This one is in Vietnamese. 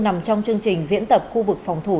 nằm trong chương trình diễn tập khu vực phòng thủ